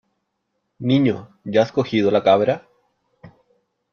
Niño, ¿ya has cogido la cabra?